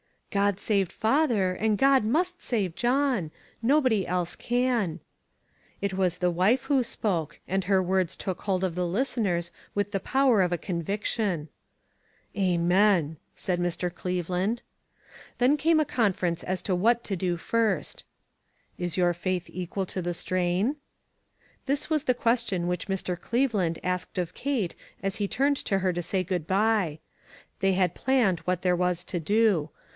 "God saved father, and God must save John. Nobody else can." It was the wife who spoke, and her words took hold of the listeners with the power of a conviction. "Amen," said Mr. Cleveland. Then came a conference as to what to do first. 488 ONE COMMONPLACE DAY. " Is your faith equal to the strain ?" This was the question which Mr. Cleve land asked of Kate as he turned to her to say good by. They had planned what there was to do.